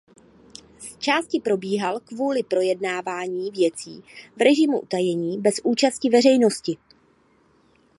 Zčásti probíhal kvůli projednávání věcí v režimu utajení bez účasti veřejnosti.